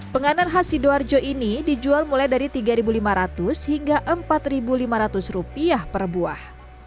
penganan khas sidoarjo ini dijual mulai dari rp tiga lima ratus hingga rp empat lima ratus per buah